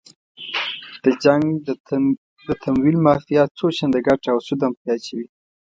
د جنګ د تمویل مافیا څو چنده ګټه او سود هم پرې اچوي.